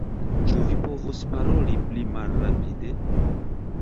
Ĉu vi povus paroli pli malrapide?